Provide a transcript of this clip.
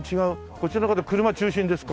こちらの方車中心ですか？